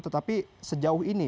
tetapi sejauh ini